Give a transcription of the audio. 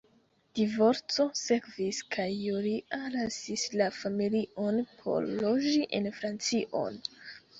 Divorco sekvis kaj Julia lasis la familion por loĝi en Francion.